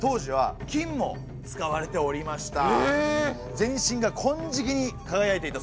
全身が金色にかがやいていたそうですよ。